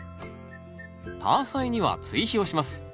タアサイには追肥をします。